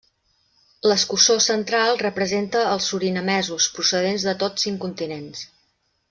L'escussó central representa els surinamesos, procedents de tots cinc continents.